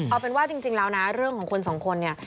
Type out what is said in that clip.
เอาเป็นว่าจริงแล้วนะเรื่องของคนสองคนเนี่ย